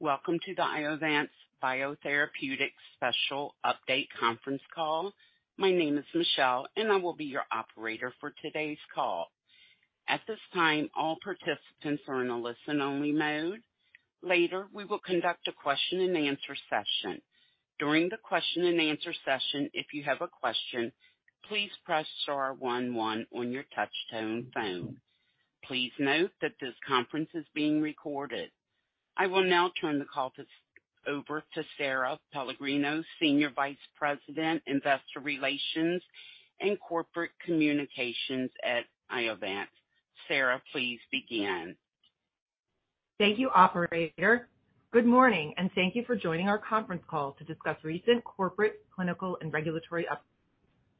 Welcome to the Iovance Biotherapeutics special update conference call. My name is Michelle, and I will be your operator for today's call. At this time, all participants are in a listen-only mode. Later, we will conduct a question-and-answer session. During the question-and-answer session, if you have a question, please press Star one one on your touchtone phone. Please note that this conference is being recorded. I will now turn the call over to Sara Pellegrino, Senior Vice President, Investor Relations and Corporate Communications at Iovance. Sara, please begin. Thank you, operator. Good morning, and thank you for joining our conference call to discuss recent corporate, clinical, and regulatory up.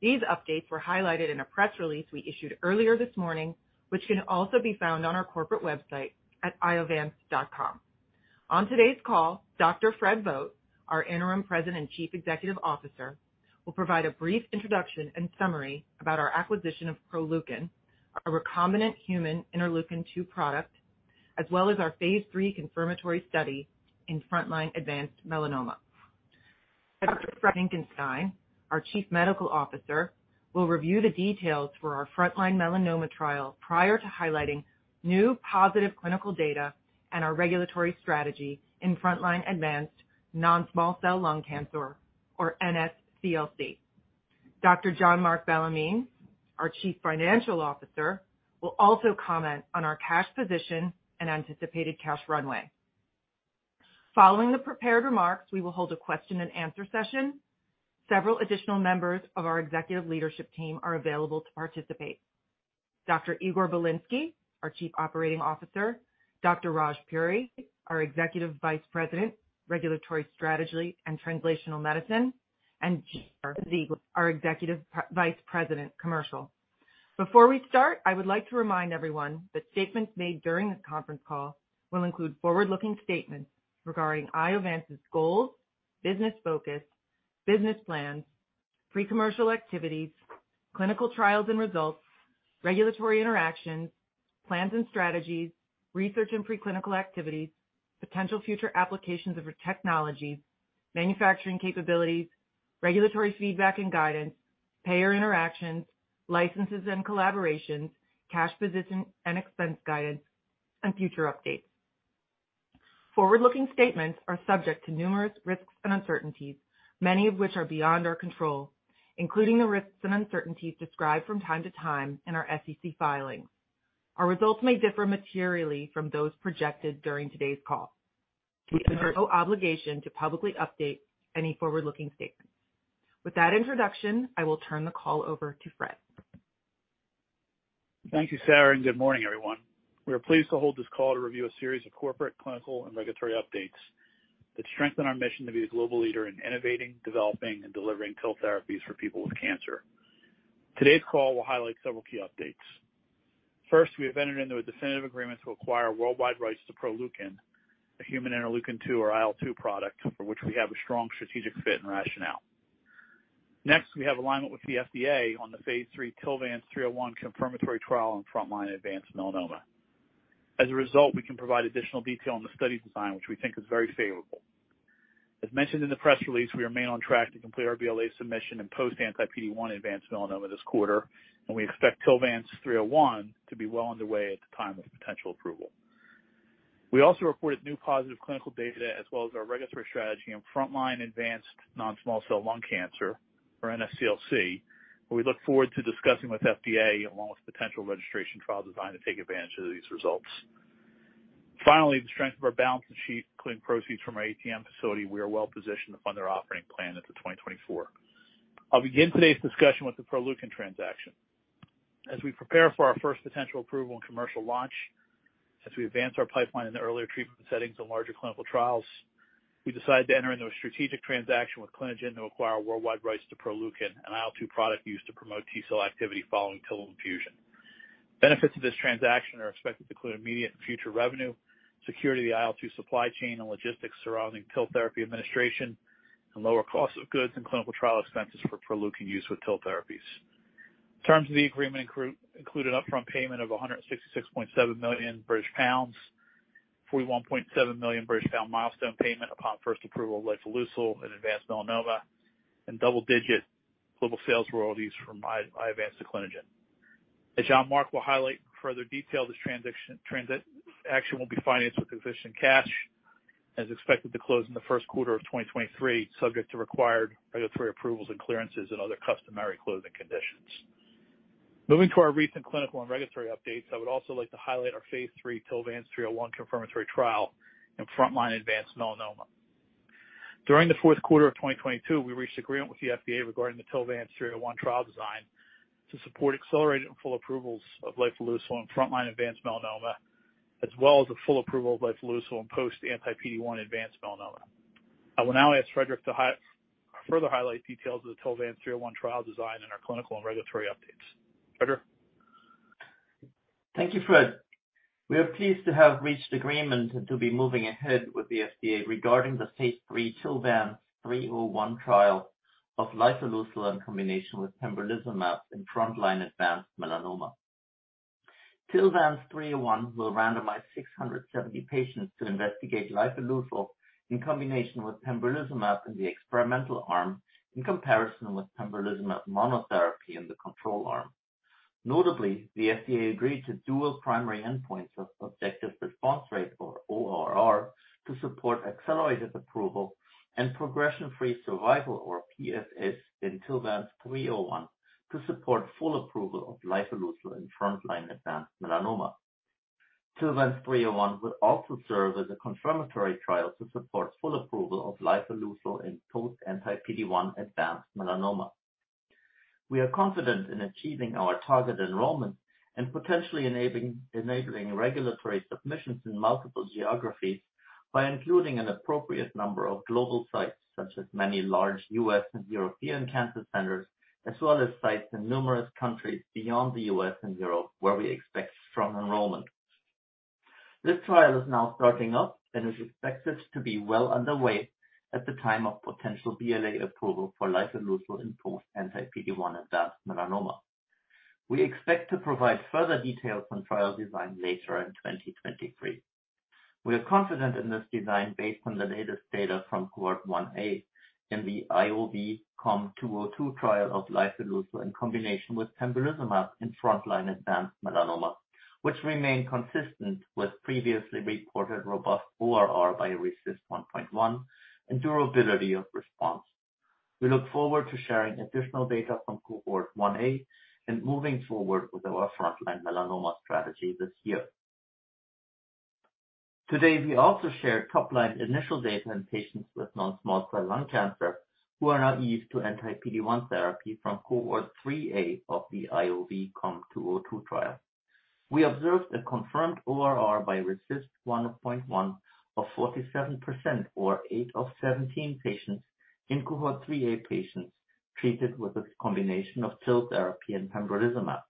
These updates were highlighted in a press release we issued earlier this morning, which can also be found on our corporate website at iovance.com. On today's call, Dr. Fred Vogt, our Interim President and Chief Executive Officer, will provide a brief introduction and summary about our acquisition of Proleukin, a recombinant human interleukin-2 product, as well as our phase 3 confirmatory study in frontline advanced melanoma. Dr. Friedrich Ingenhain, our Chief Medical Officer, will review the details for our frontline melanoma trial prior to highlighting new positive clinical data and our regulatory strategy in frontline advanced non-small cell lung cancer, or NSCLC. Dr. Jean-Marc Bellemin, our Chief Financial Officer, will also comment on our cash position and anticipated cash runway. Following the prepared remarks, we will hold a question-and-answer session. Several additional members of our executive leadership team are available to participate. Dr. Igor Bilinsky, our Chief Operating Officer, Dr. Raj K. Puri, our Executive Vice President, Regulatory Strategy and Translational Medicine, and Jim Ziegler, our Executive Vice President, Commercial. Before we start, I would like to remind everyone that statements made during this conference call will include forward-looking statements regarding Iovance's goals, business focus, business plans, pre-commercial activities, clinical trials and results, regulatory interactions, plans and strategies, research and preclinical activities, potential future applications of our technologies, manufacturing capabilities, regulatory feedback and guidance, payer interactions, licenses and collaborations, cash position and expense guidance, and future updates. Forward-looking statements are subject to numerous risks and uncertainties, many of which are beyond our control, including the risks and uncertainties described from time to time in our SEC filings. Our results may differ materially from those projected during today's call. We assume no obligation to publicly update any forward-looking statements. With that introduction, I will turn the call over to Fred. Thank you, Sara, and good morning, everyone. We are pleased to hold this call to review a series of corporate, clinical, and regulatory updates that strengthen our mission to be the global leader in innovating, developing, and delivering TIL therapies for people with cancer. Today's call will highlight several key updates. First, we have entered into a definitive agreement to acquire worldwide rights to Proleukin, a human interleukin-2, or IL-2 product, for which we have a strong strategic fit and rationale. Next, we have alignment with the FDA on the phase 3 TILVANCE-301 confirmatory trial on frontline advanced melanoma. As a result, we can provide additional detail on the study design, which we think is very favorable. As mentioned in the press release, we remain on track to complete our BLA submission and post anti-PD-1 advanced melanoma this quarter, and we expect TILVANCE-301 to be well underway at the time of potential approval. We also reported new positive clinical data as well as our regulatory strategy in frontline advanced non-small cell lung cancer, or NSCLC, and we look forward to discussing with FDA, along with potential registration trial design to take advantage of these results. Finally, the strength of our balance sheet, including proceeds from our ATM facility, we are well positioned to fund our operating plan into 2024. I'll begin today's discussion with the Proleukin transaction. As we prepare for our first potential approval and commercial launch, as we advance our pipeline in the earlier treatment settings and larger clinical trials, we decided to enter into a strategic transaction with Clinigen to acquire worldwide rights to Proleukin, an IL-2 product used to promote T cell activity following TIL infusion. Benefits of this transaction are expected to include immediate and future revenue, security of the IL-2 supply chain and logistics surrounding TIL therapy administration, and lower cost of goods and clinical trial expenses for Proleukin use with TIL therapies. Terms of the agreement included upfront payment of 166.7 million British pounds, 41.7 million British pound milestone payment upon first approval of lifileucel in advanced melanoma, and double-digit global sales royalties from Iovance to Clinigen. As Jean-Marc will highlight in further detail, this transaction will be financed with sufficient cash and is expected to close in the 1st quarter of 2023, subject to required regulatory approvals and clearances and other customary closing conditions. Moving to our recent clinical and regulatory updates, I would also like to highlight our Phase 3 TILVANCE-301 confirmatory trial in frontline advanced melanoma. During the fourth quarter of 2022, we reached agreement with the FDA regarding the TILVANCE-301 trial design to support accelerated and full approvals of lifileucel in frontline advanced melanoma, as well as a full approval of lifileucel in post anti-PD-1 advanced melanoma. I will now ask Friedrich to further highlight details of the TILVANCE-301 trial design and our clinical and regulatory updates. Friedrich? Thank you, Fred. We are pleased to have reached agreement and to be moving ahead with the FDA regarding the phase III TILVANCE-301 trial of lifileucel in combination with pembrolizumab in frontline advanced melanoma. TILVANCE-301 will randomize 670 patients to investigate lifileucel in combination with pembrolizumab in the experimental arm in comparison with pembrolizumab monotherapy in the control arm. The FDA agreed to dual primary endpoints of subjective response rate or ORR to support accelerated approval and progression-free survival or PFS in TILVANCE-301 to support full approval of lifileucel in front-line advanced melanoma. TILVANCE-301 will also serve as a confirmatory trial to support full approval of lifileucel in post anti-PD-1 advanced melanoma. We are confident in achieving our target enrollment and potentially enabling regulatory submissions in multiple geographies by including an appropriate number of global sites, such as many large US and European cancer centers, as well as sites in numerous countries beyond the US and Europe, where we expect strong enrollment. This trial is now starting up and is expected to be well underway at the time of potential BLA approval for lifileucel in post anti-PD-1 advanced melanoma. We expect to provide further details on trial design later in 2023. We are confident in this design based on the latest data from cohort 1A in the IOV-COM-202 trial of lifileucel in combination with pembrolizumab in front-line advanced melanoma, which remained consistent with previously reported robust ORR by RECIST 1.1 and durability of response. We look forward to sharing additional data from cohort 1A and moving forward with our front-line melanoma strategy this year. Today, we also shared top-line initial data in patients with non-small cell lung cancer who are now eased to anti-PD-1 therapy from cohort 3A of the IOV-COM-202 trial. We observed a confirmed ORR by RECIST 1.1 of 47% or 8 of 17 patients in Cohort 3A patients treated with a combination of TIL therapy and pembrolizumab.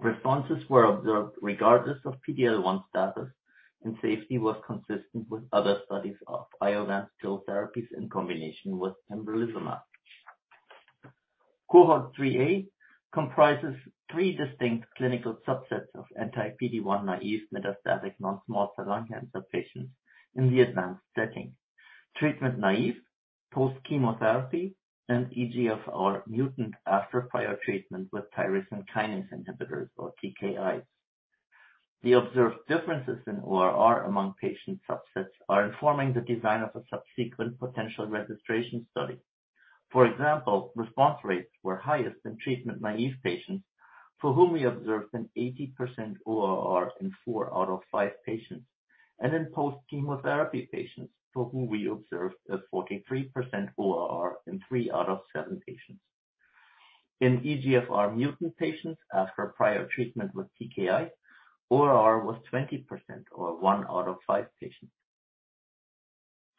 Responses were observed regardless of PD-L1 status, and safety was consistent with other studies of Iovance TIL therapies in combination with pembrolizumab. Cohort 3A comprises three distinct clinical subsets of anti-PD-1 naive metastatic non-small cell lung cancer patients in the advanced setting. Treatment-naive, post-chemotherapy, and EGFR mutant after prior treatment with tyrosine kinase inhibitors or TKIs. The observed differences in ORR among patient subsets are informing the design of a subsequent potential registration study. For example, response rates were highest in treatment-naive patients for whom we observed an 80% ORR in four out of five patients, and in post-chemotherapy patients for whom we observed a 43% ORR in three out of seven patients. In EGFR mutant patients after prior treatment with TKI, ORR was 20% or one out of five patients.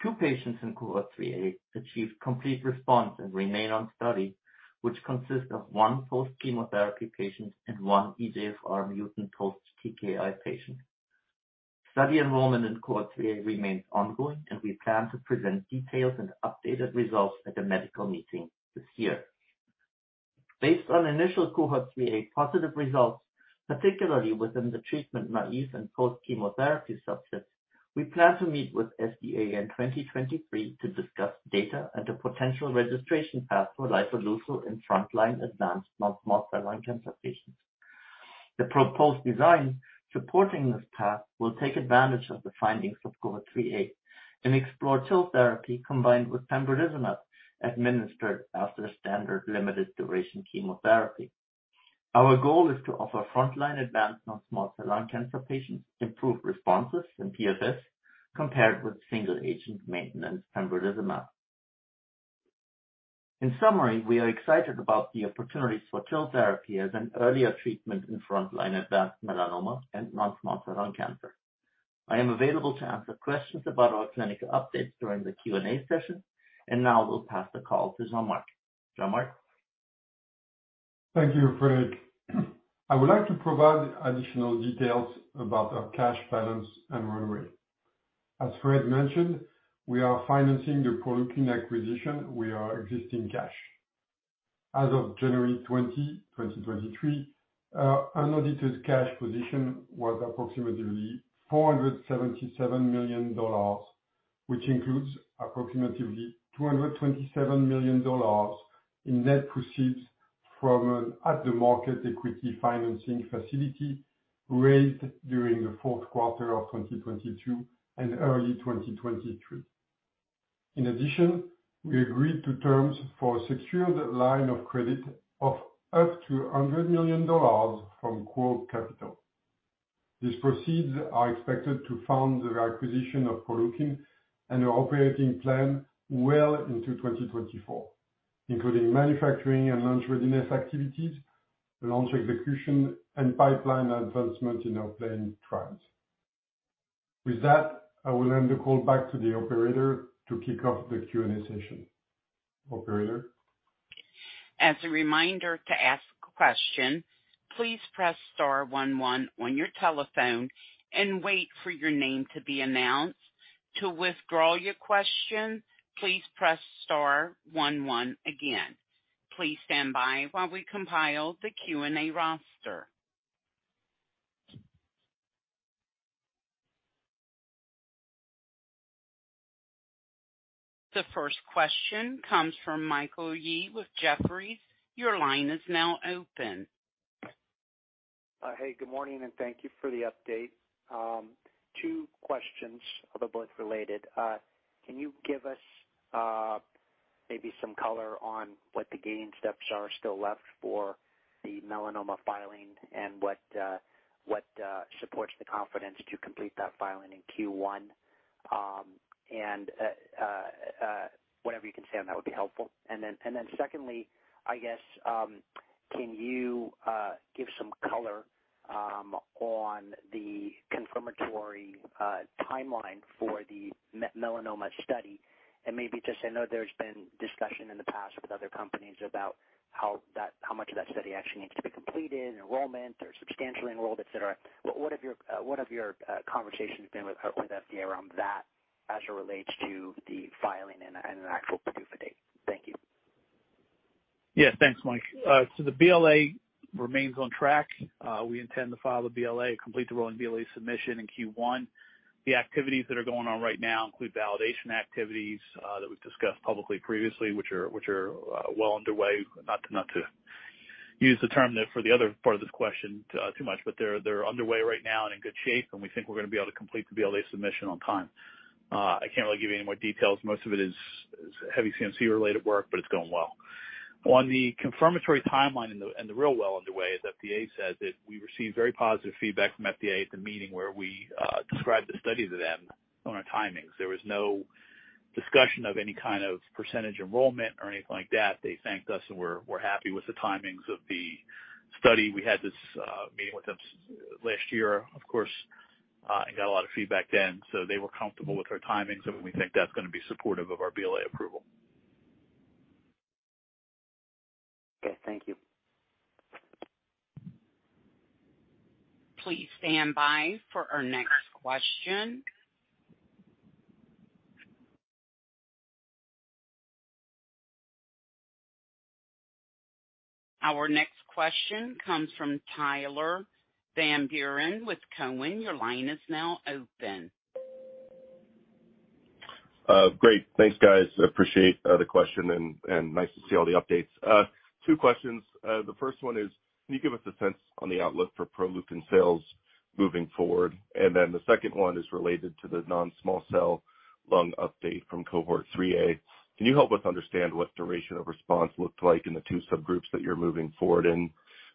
Two patients in cohort three A achieved complete response and remain on study, which consists of one post-chemotherapy patient and one EGFR mutant post-TKI patient. Study enrollment in cohort 3-A remains ongoing, and we plan to present details and updated results at a medical meeting this year. Based on initial cohort 3-Apositive results, particularly within the treatment-naive and post-chemotherapy subset, we plan to meet with FDA in 2023 to discuss data and a potential registration path for lifileucel in front-line advanced non-small cell lung cancer patients. The proposed design supporting this path will take advantage of the findings of cohort 3-A and explore TIL therapy combined with pembrolizumab administered after standard limited duration chemotherapy. Our goal is to offer frontline advanced non-small cell lung cancer patients improved responses in PFS compared with single agent maintenance pembrolizumab. In summary, we are excited about the opportunities for TIL therapy as an earlier treatment in frontline advanced melanoma and non-small cell lung cancer. Now I will pass the call to Jean-Marc. Jean-Marc? Thank you, Fred. I would like to provide additional details about our cash balance and runway. As Fred mentioned, we are financing the Proleukin acquisition with our existing cash. As of January 20, 2023, our unaudited cash position was approximately $477 million, which includes approximately $227 million in net proceeds from an at-the-market equity financing facility raised during the fourth quarter of 2022 and early 2023. We agreed to terms for a secured line of credit of up to $100 million from Cugene Capital. These proceeds are expected to fund the acquisition of Proleukin and our operating plan well into 2024, including manufacturing and launch readiness activities, launch execution, and pipeline advancement in our planned trials. I will hand the call back to the operator to kick off the Q&A session. Operator? As a reminder, to ask a question, please press star one one on your telephone and wait for your name to be announced. To withdraw your question, please press Star one one again. Please stand by while we compile the Q&A roster. The first question comes from Michael Yee with Jefferies. Your line is now open. Hey, good morning. Thank you for the update. Two questions, although both related. Can you give us, maybe some color on what the gaining steps are still left for the melanoma filing and what supports the confidence to complete that filing in Q1? And whatever you can say on that would be helpful. Secondly, I guess, can you give some color, on the confirmatory, timeline for the melanoma study? And maybe just I know there's been discussion in the past with other companies about how much of that study actually needs to be completed, enrollment or substantially enrolled, et cetera. What have your conversations been with FDA around that as it relates to the filing and the actual PDUFA date? Thank you. Yeah, thanks, Mike. The BLA remains on track. We intend to file the BLA, complete the rolling BLA submission in Q1. The activities that are going on right now include validation activities, that we've discussed publicly previously, which are well underway. Not to, not to use the term that for the other part of this question, too much, they're underway right now and in good shape, and we think we're gonna be able to complete the BLA submission on time. I can't really give you any more details. Most of it is heavy CMC related work, it's going well. On the confirmatory timeline and the real well underway, as FDA says it, we received very positive feedback from FDA at the meeting where we described the study to them on our timings. There was no discussion of any kind of percentage enrollment or anything like that. They thanked us and were happy with the timings of the study. We had this meeting with them last year, of course, and got a lot of feedback then, so they were comfortable with our timings, and we think that's gonna be supportive of our BLA approval. Okay. Thank you. Please stand by for our next question. Our next question comes from Tyler Van Buren with Cowen. Your line is now open. Great. Thanks, guys. Appreciate the question and nice to see all the updates. Two questions. The first one is, can you give us a sense on the outlook for Proleukin sales moving forward? The second one is related to the non-small cell lung update from cohort 3A. Can you help us understand what duration of response looked like in the two subgroups that you're moving forward in,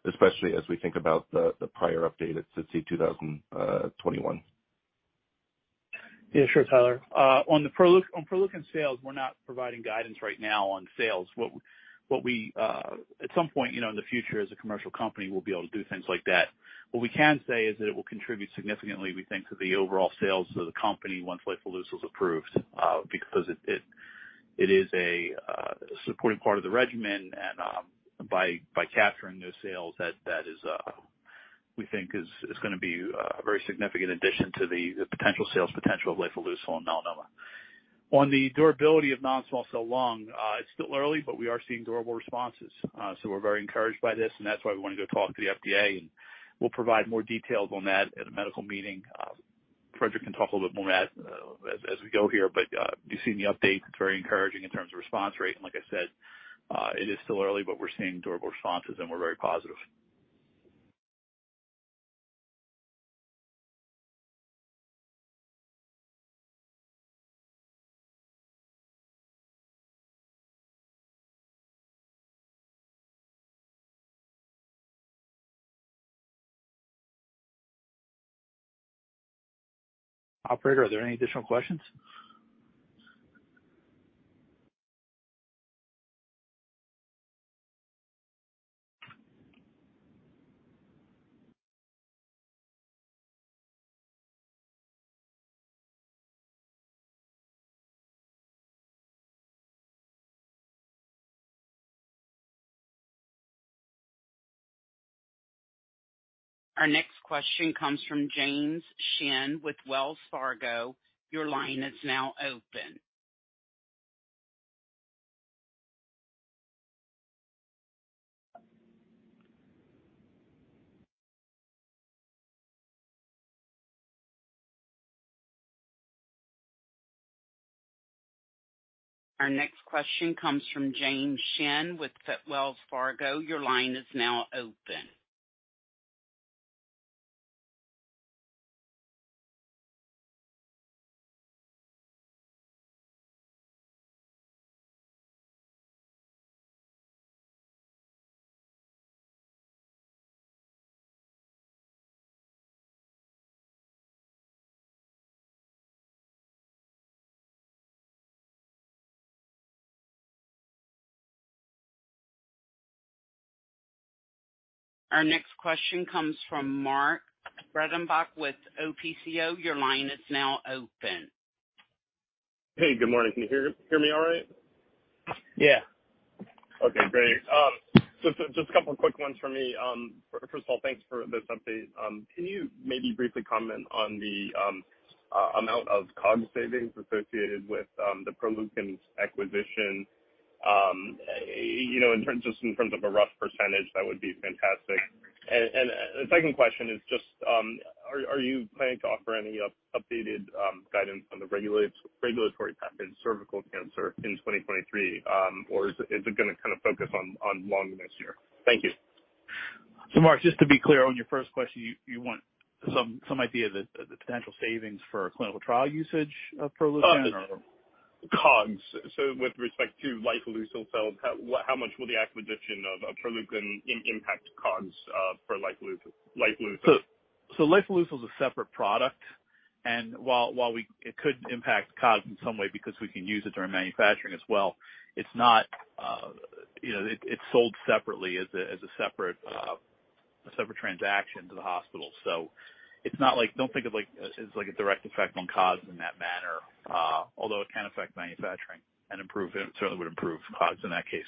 especially as we think about the prior update at SITC 2021? Sure, Tyler. on Proleukin sales, we're not providing guidance right now on sales. What we, at some point, you know, in the future as a commercial company, we'll be able to do things like that. What we can say is that it will contribute significantly, we think, to the overall sales of the company once lifileucel is approved, because it is a supporting part of the regimen and, by capturing those sales that is, we think is gonna be a very significant addition to the potential sales potential of lifileucel in melanoma. On the durability of non-small cell lung, it's still early, but we are seeing durable responses. We're very encouraged by this, and that's why we wanna go talk to the FDA, and we'll provide more details on that at a medical meeting. Frederick can talk a little bit more on that, as we go here, but you've seen the update. It's very encouraging in terms of response rate. Like I said, it is still early, but we're seeing durable responses and we're very positive. Operator, are there any additional questions? Our next question comes from James Shin with Wells Fargo. Your line is now open. Our next question comes from James Shin with Wells Fargo. Your line is now open. Our next question comes from Mark Breidenbach with Oppenheimer & Co. Your line is now open. Hey, good morning. Can you hear me all right? Yeah. Okay, great. Just a couple quick ones for me. First of all, thanks for this update. Can you maybe briefly comment on the amount of COGS savings associated with the Proleukin acquisition? You know, in terms of a rough percentage, that would be fantastic. The second question is just, are you planning to offer any updated guidance on the regulatory package cervical cancer in 2023, or is it gonna kind of focus on longer next year? Thank you. Mark, just to be clear on your first question, you want some idea of the potential savings for clinical trial usage of Proleukin or? COGS. With respect to lifileucel, how much will the acquisition of Proleukin impact COGS, for lifileucel? lifileucel is a separate product, and while it could impact COGS in some way because we can use it during manufacturing as well. It's not, you know, it's sold separately as a separate, a separate transaction to the hospital. Don't think of like, as like a direct effect on COGS in that manner, although it can affect manufacturing and improve it. It certainly would improve COGS in that case.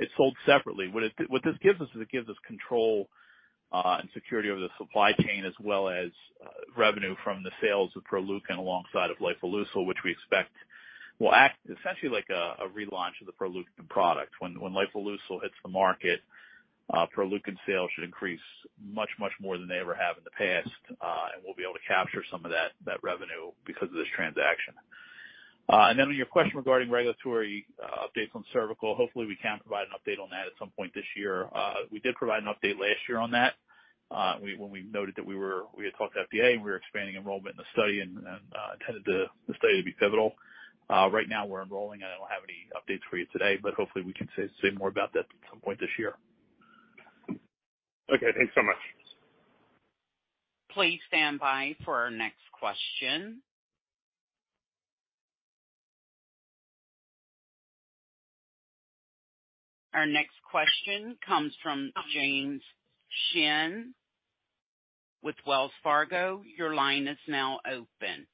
It's sold separately. What this gives us is it gives us control and security over the supply chain as well as revenue from the sales of Proleukin alongside of lifileucel, which we expect will act essentially like a relaunch of the Proleukin product. When lifileucel hits the market, Proleukin sales should increase much more than they ever have in the past, and we'll be able to capture some of that revenue because of this transaction. Then on your question regarding regulatory updates on cervical, hopefully we can provide an update on that at some point this year. We did provide an update last year on that, we, when we noted that we had talked to FDA and we were expanding enrollment in the study and tended the study to be pivotal. Right now we're enrolling, and I don't have any updates for you today, but hopefully we can say more about that at some point this year. Thanks so much. Please stand by for our next question. Our next question comes from James Shin with Wells Fargo. Your line is now open.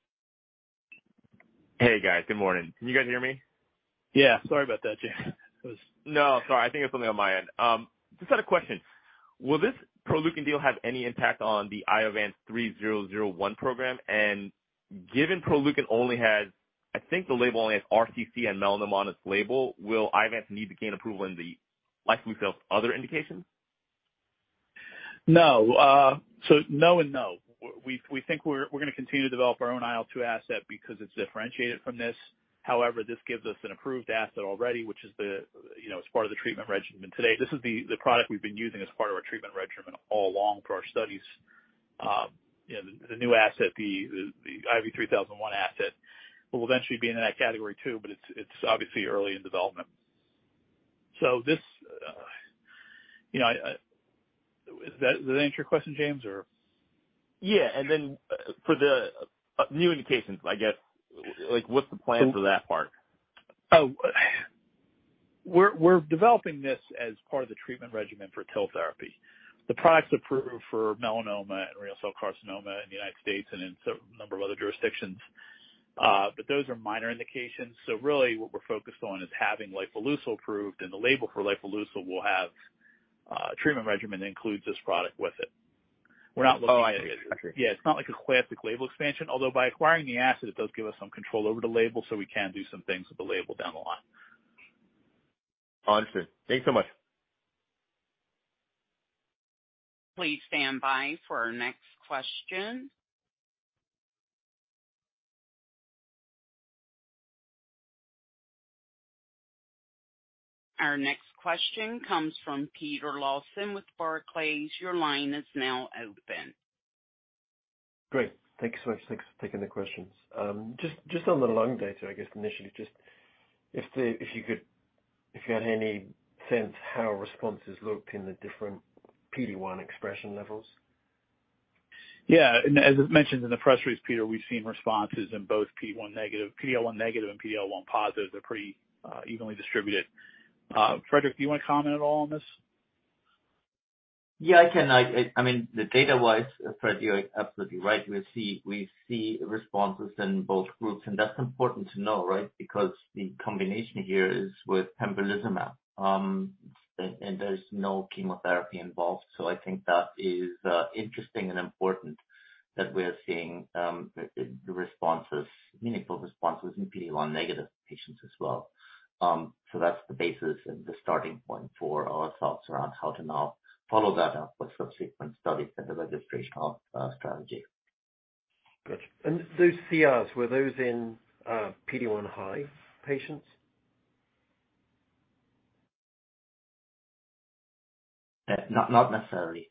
Hey, guys. Good morning. Can you guys hear me? Yeah. Sorry about that, James. No, sorry. I think it's something on my end. just had a question. Will this Proleukin deal have any impact on the Iovance 3001 program? Given Proleukin only has, I think the label only has RCC and melanoma on its label, will Iovance need to gain approval in the lifileucel other indications? No. No and no. We think we're gonna continue to develop our own IL-2 asset because it's differentiated from this. However, this gives us an approved asset already, which is, you know, it's part of the treatment regimen today. This is the product we've been using as part of our treatment regimen all along for our studies. You know, the new asset, the IOV-3001 asset, will eventually be in that category too, but it's obviously early in development. This, you know, is that, does that answer your question, James, or? Yeah. Then for the new indications, I guess, like what's the plan for that part? We're developing this as part of the treatment regimen for TIL therapy. The product's approved for melanoma and renal cell carcinoma in the United States and in certain number of other jurisdictions. Those are minor indications. Really what we're focused on is having Lifileucel approved, and the label for Lifileucel will have a treatment regimen that includes this product with it. Oh, I see. Got you. Yeah. It's not like a classic label expansion, although by acquiring the asset, it does give us some control over the label, so we can do some things with the label down the line. Understood. Thank you so much. Please stand by for our next question. Our next question comes from Peter Lawson with Barclays. Your line is now open. Great. Thank you so much. Thanks for taking the questions. Just on the long data, I guess initially, if you could, if you had any sense how responses looked in the different PD-1 expression levels? Yeah. As it's mentioned in the press release, Peter, we've seen responses in both PD-1 negative, PD-L1 negative, and PD-L1 positive are pretty evenly distributed. Frederick, do you wanna comment at all on this? Yeah, I can. I mean, the data-wise, Fred, you're absolutely right. We see responses in both groups, and that's important to know, right? Because the combination here is with pembrolizumab, and there's no chemotherapy involved. I think that is interesting and important that we're seeing the responses, meaningful responses in PD-1 negative patients as well. That's the basis and the starting point for our thoughts around how to now follow that up with subsequent studies and the registrational strategy. Gotcha. Those CRs, were those in PD-1 high patients? Not necessarily.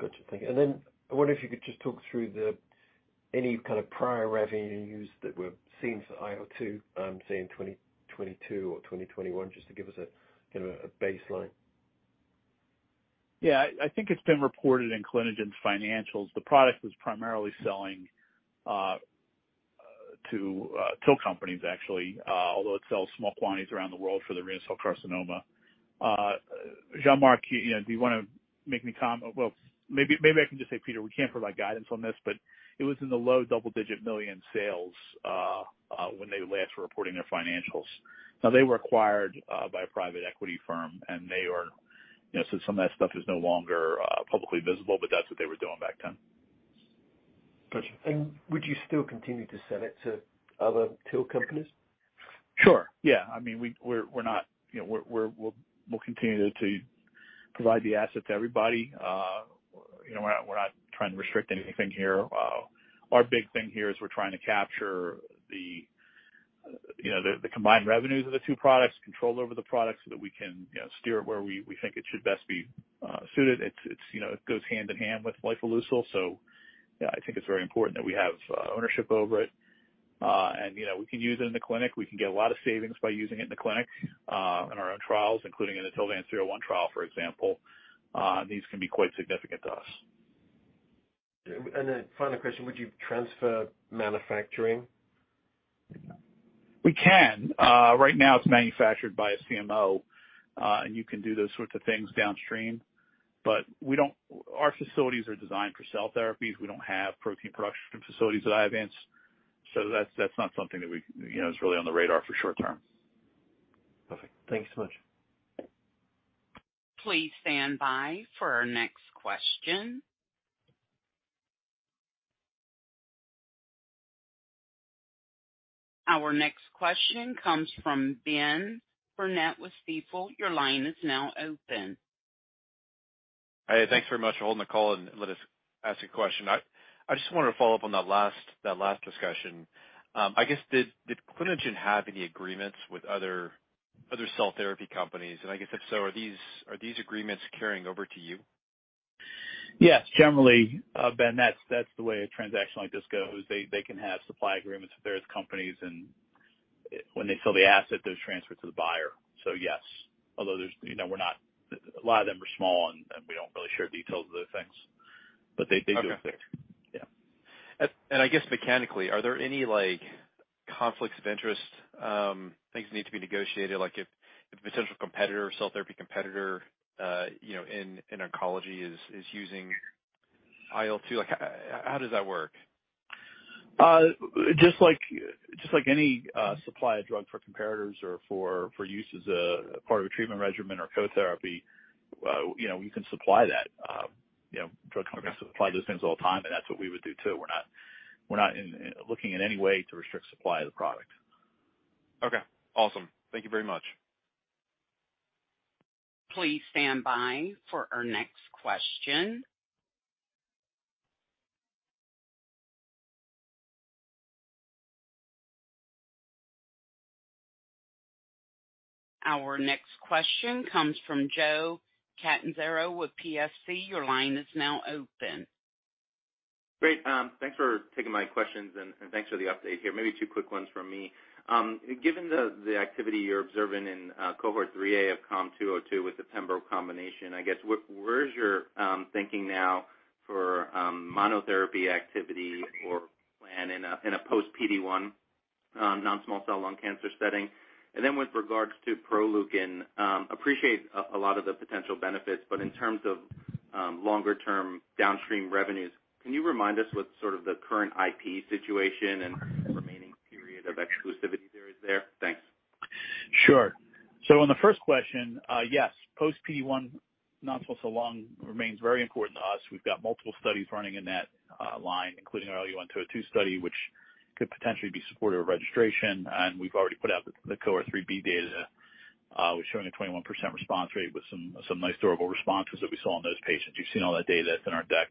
Gotcha. Thank you. I wonder if you could just talk through any kind of prior revenues that were seen for IL-2, say in 2022 or 2021, just to give us a kind of a baseline. I think it's been reported in Clinigen's financials. The product was primarily selling to TIL companies actually, although it sells small quantities around the world for the renal cell carcinoma. Jean-Marc, you know, do you wanna make any well, maybe I can just say, Peter, we can't provide guidance on this, but it was in the low double-digit million sales when they last were reporting their financials. They were acquired by a private equity firm. You know, some of that stuff is no longer publicly visible, but that's what they were doing back then. Gotcha. Would you still continue to sell it to other tool companies? Sure, yeah. I mean, we're not... You know, we're, we'll continue to provide the asset to everybody. You know, we're not, we're not trying to restrict anything here. Our big thing here is we're trying to capture the, you know, the combined revenues of the two products, control over the products so that we can, you know, steer it where we think it should best be suited. It's, you know, it goes hand in hand with Lifileucel. Yeah, I think it's very important that we have ownership over it. You know, we can use it in the clinic. We can get a lot of savings by using it in the clinic, in our own trials, including in the TILVANCE-301 trial, for example. These can be quite significant to us. Final question. Would you transfer manufacturing? We can. Right now it's manufactured by a CMO, and you can do those sorts of things downstream, but our facilities are designed for cell therapies. We don't have protein production facilities at Iovance. That's not something that we, you know, is really on the radar for short term. Perfect. Thank you so much. Please stand by for our next question. Our next question comes from Benjamin Burnett with Stifel. Your line is now open. Hey, thanks very much for holding the call and let us ask a question. I just wanted to follow up on that last, that last discussion. I guess did Clinigen have any agreements with other cell therapy companies? I guess if so, are these agreements carrying over to you? Yes. Generally, Ben, that's the way a transaction like this goes. They can have supply agreements with various companies, and when they sell the asset, those transfer to the buyer. Yes, although there's, you know, a lot of them are small and we don't really share details of those things. They do exist. Okay. Yeah. I guess mechanically, are there any like conflicts of interest, things need to be negotiated? Like if a potential competitor or cell therapy competitor, you know, in oncology is using IL-2, like how does that work? Just like any, supply of drug for comparators or for use as a part of a treatment regimen or co-therapy, you know, we can supply that. You know, drug companies supply those things all the time, and that's what we would do too. We're not looking in any way to restrict supply of the product. Okay, awesome. Thank you very much. Please stand by for our next question. Our next question comes from Joe Catanzaro with Piper Sandler Companies. Your line is now open. Great. Thanks for taking my questions and thanks for the update here. Maybe two quick ones from me. Given the activity you're observing in cohort 3A of IOV-COM-202 with the Pembro combination, I guess where is your thinking now for monotherapy activity or plan in a post-PD-1 non-small cell lung cancer setting? With regards to Proleukin, appreciate a lot of the potential benefits, but in terms of longer term downstream revenues, can you remind us what's sort of the current IP situation and the remaining period of exclusivity there is there? Thanks. Sure. On the first question, yes, post PD-1 non-small cell lung remains very important to us. We've got multiple studies running in that line, including our LU 1202 study, which could potentially be supportive of registration. We've already put out the cohort 3B data, which shown a 21% response rate with some nice durable responses that we saw in those patients. You've seen all that data that's in our deck.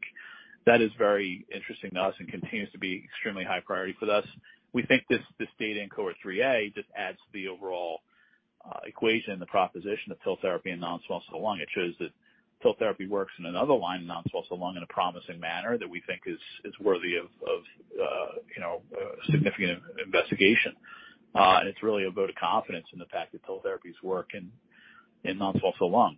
That is very interesting to us and continues to be extremely high priority for us. We think this data in cohort 3A just adds to the overall equation and the proposition of TIL therapy in non-small cell lung. It shows that TIL therapy works in another line in non-small cell lung in a promising manner that we think is worthy of, you know, significant investigation. It's really a vote of confidence in the fact that TIL therapies work in non-small cell lung.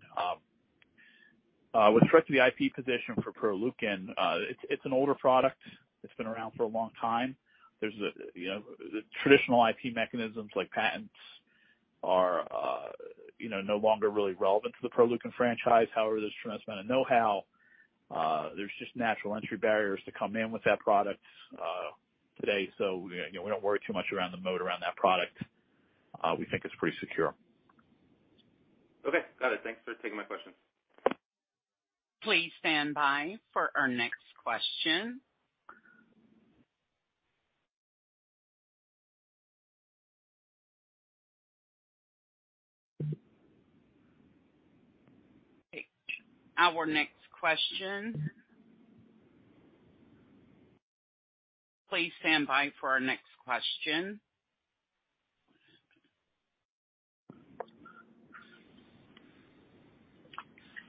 With respect to the IP position for Proleukin, it's an older product. It's been around for a long time. There's a, you know, the traditional IP mechanisms like patents are, you know, no longer really relevant to the Proleukin franchise. There's tremendous amount of know-how. There's just natural entry barriers to come in with that product today. You know, we don't worry too much around the moat around that product. We think it's pretty secure. Okay. Got it. Thanks for taking my questions. Please stand by for our next question.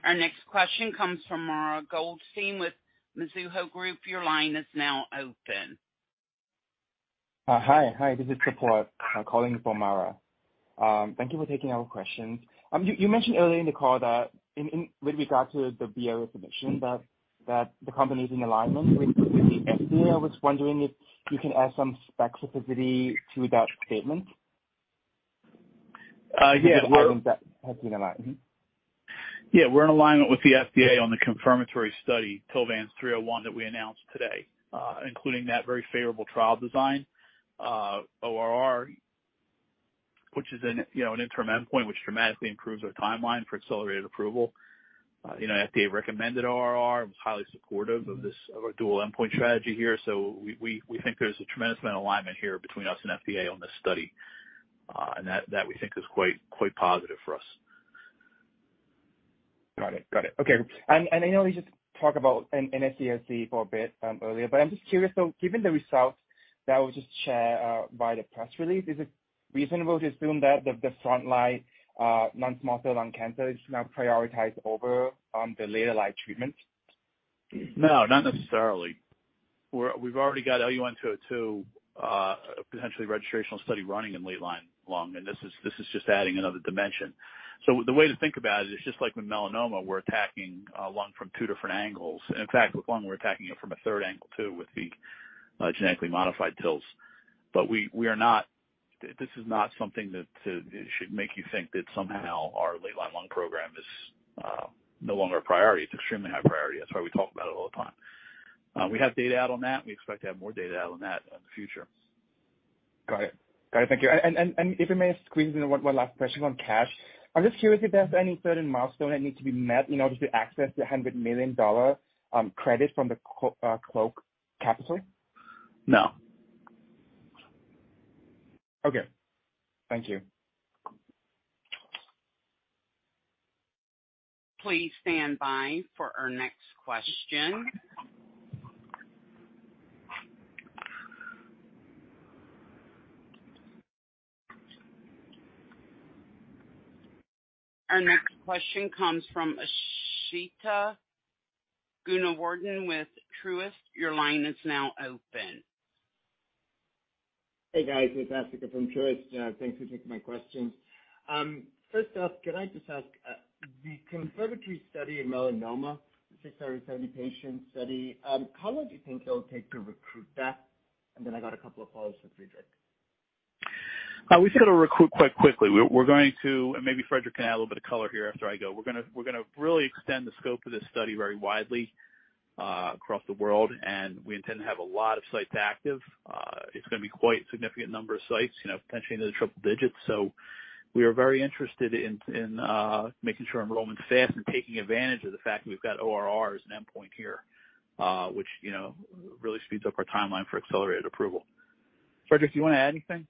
Our next question comes from Mara Goldstein with Mizuho Group. Your line is now open. Hi, this is Sapir calling for Mara. Thank you for taking our questions. You mentioned earlier in the call that in with regard to the BLA submission that the company is in alignment with the FDA. I was wondering if you can add some specificity to that statement. yeah talking about. Yeah, we're in alignment with the FDA on the confirmatory study, TILVANCE-301, that we announced today, including that very favorable trial design, ORR, which is an, you know, an interim endpoint, which dramatically improves our timeline for accelerated approval. You know, FDA recommended ORR and was highly supportive of this, of our dual endpoint strategy here. We think there's a tremendous amount of alignment here between us and FDA on this study, and that we think is quite positive for us. Got it. Got it. Okay. I know we just talked about NSCLC for a bit earlier, but I'm just curious, so given the results that was just shared by the press release, is it reasonable to assume that the front line non-small cell lung cancer is now prioritized over the later-line treatment? No, not necessarily. We've already got IOV-LUN-202, potentially registrational study running in late-line lung, and this is just adding another dimension. The way to think about it is just like with melanoma, we're attacking lung from two different angles. In fact, with lung we're attacking it from a third angle too, with the genetically modified TILs. We are not... this is not something that should make you think that somehow our late-line lung program is no longer a priority. It's extremely high priority. That's why we talk about it all the time. We have data out on that. We expect to have more data out on that in the future. Got it. Got it. Thank you. If I may squeeze in one last question on cash. I'm just curious if there's any certain milestone that needs to be met in order to access the $100 million credit from Quogue Capital. No. Okay. Thank you. Please stand by for our next question. Our next question comes from Ashika Gunawardana with Truist. Your line is now open. Hey, guys. It's Ashika from Truist. Thanks for taking my questions. First off, can I just ask, the confirmatory study in melanoma, the 670 patient study, how long do you think it'll take to recruit that? Then I got a couple of follows for Frederick. We think it'll recruit quite quickly. We're going to, maybe Frederick can add a little bit of color here after I go. We're gonna really extend the scope of this study very widely across the world, and we intend to have a lot of sites active. It's gonna be quite significant number of sites, you know, potentially into the triple digits. We are very interested in making sure enrollment's fast and taking advantage of the fact that we've got ORR as an endpoint here, which, you know, really speeds up our timeline for accelerated approval. Frederick, do you wanna add anything?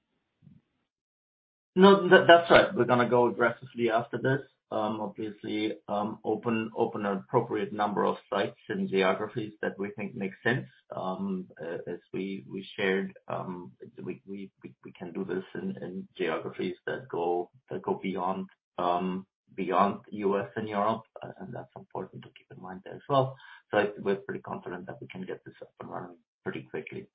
No, that's right. We're gonna go aggressively after this. Obviously, open an appropriate number of sites and geographies that we think make sense. As we shared, we can do this in geographies that go beyond U.S. and Europe, and that's important to keep in mind there as well. We're pretty confident that we can get this up and running pretty quickly.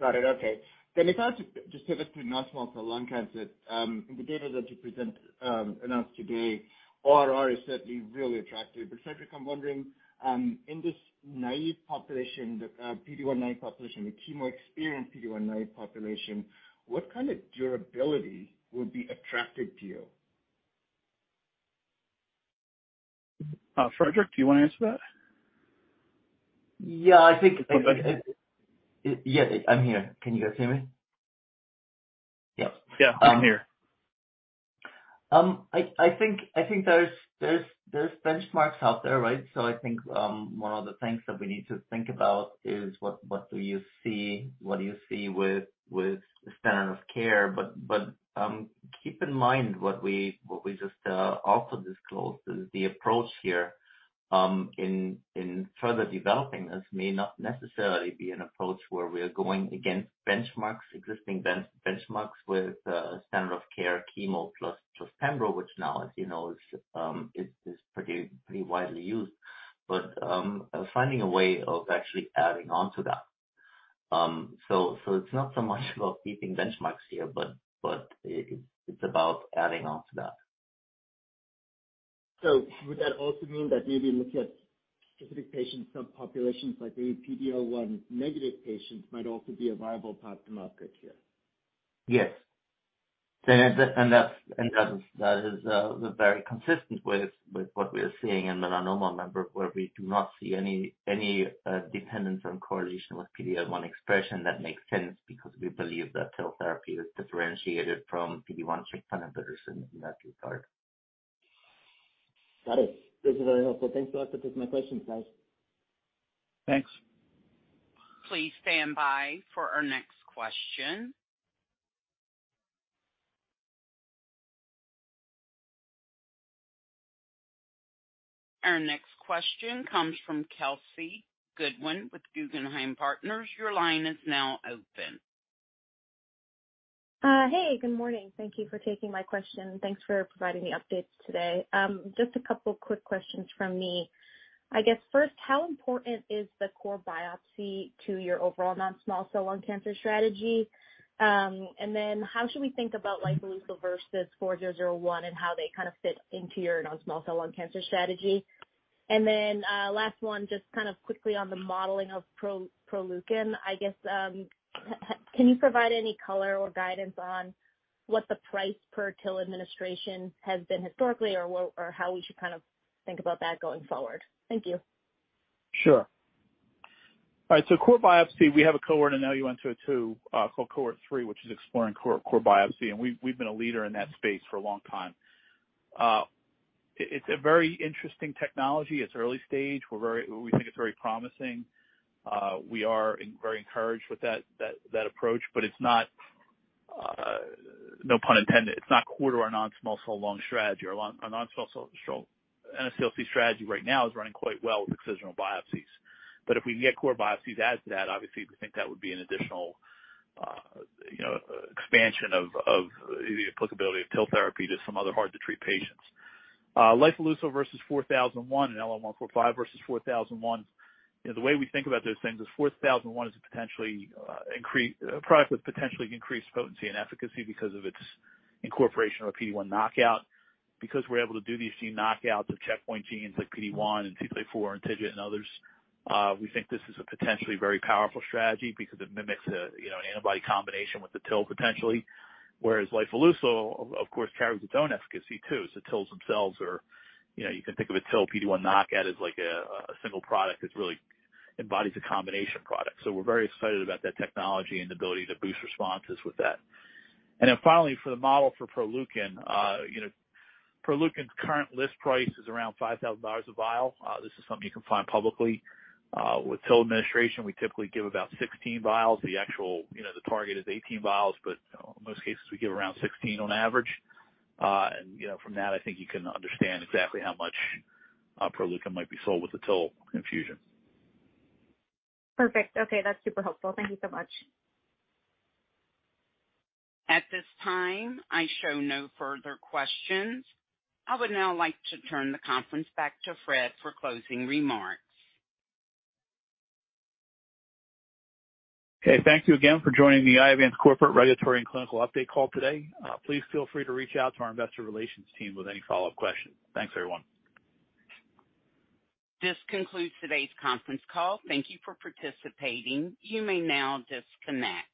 Got it. Okay. If I have to just pivot to Non-Small Cell Lung Cancer in the data that you announced today, ORR is certainly really attractive. Frederick, I'm wondering, in this naive population, the PD-1 naive population, the chemo-experienced PD-1 naive population, what kind of durability would be attractive to you? Fredrich, do you wanna answer that? Yeah, I think- Go ahead. Yeah, I'm here. Can you guys hear me? Yes. Yeah, I'm here. I think there's benchmarks out there, right? I think, one of the things that we need to think about is what do you see with the standard of care. Keep in mind what we just, also disclosed is the approach here, in further developing this may not necessarily be an approach where we are going against benchmarks, existing benchmarks with, standard of care chemo plus Pembro, which now, as you know, is pretty widely used. Finding a way of actually adding on to that. It's not so much about beating benchmarks here, but it's about adding on to that. Would that also mean that maybe looking at specific patient subpopulations, like maybe PD-L1 negative patients, might also be a viable path to market here? Yes. That's, and that is very consistent with what we are seeing in the melanoma member, where we do not see any dependence on correlation with PD-L1 expression. That makes sense because we believe that cell therapy is differentiated from PD-1 check inhibitors in that regard. Got it. This is very helpful. Thanks for answering my questions, guys. Thanks. Please stand by for our next question. Our next question comes from Kelsey Goodwin with Piper Sandler. Your line is now open. Hey, good morning. Thank you for taking my question. Thanks for providing the updates today. Just a couple quick questions from me. I guess, first, how important is the core biopsy to your overall non-small cell lung cancer strategy? How should we think about lifileucel versus IOV-3001 and how they kind of fit into your non-small cell lung cancer strategy? Last one, just kind of quickly on the modeling of Proleukin. I guess, can you provide any color or guidance on what the price per TIL administration has been historically or what or how we should kind of think about that going forward? Thank you. Sure. All right. Core biopsy, we have a cohort in IOV-LUN-202 called cohort 3, which is exploring core biopsy, and we've been a leader in that space for a long time. It's a very interesting technology. It's early stage. We think it's very promising. We are very encouraged with that approach. It's not, no pun intended, it's not core to our non-small cell lung strategy. Our non-small cell NSCLC strategy right now is running quite well with excisional biopsies. If we can get core biopsies as to that, obviously we think that would be an additional, you know, expansion of the applicability of TIL therapy to some other hard to treat patients. lifileucel versus 4001 and LN-145 versus 4001. You know, the way we think about those things is 4001 is a potentially a product with potentially increased potency and efficacy because of its incorporation of a PD-1 knockout. We're able to do these gene knockouts of checkpoint genes like PD-1 and CTLA-4 and TIGIT and others, we think this is a potentially very powerful strategy because it mimics a, you know, an antibody combination with the TIL potentially. Whereas lifileucel of course, carries its own efficacy too. TILs themselves are. You know, you can think of a TIL PD-1 knockout as like a single product that really embodies a combination product. We're very excited about that technology and the ability to boost responses with that. Finally, for the model for Proleukin, you know, Proleukin's current list price is around $5,000 a vial. This is something you can find publicly. With TIL administration, we typically give about 16 vials. The actual, you know, the target is 18 vials, but most cases we give around 16 on average. You know, from that, I think you can understand exactly how much Proleukin might be sold with the TIL infusion. Perfect. Okay, that's super helpful. Thank you so much. At this time, I show no further questions. I would now like to turn the conference back to Fred for closing remarks. Okay. Thank you again for joining the Iovance corporate regulatory and clinical update call today. Please feel free to reach out to our investor relations team with any follow-up questions. Thanks everyone. This concludes today's conference call. Thank you for participating. You may now disconnect.